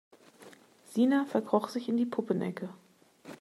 Sina verkroch sich in die Puppenecke.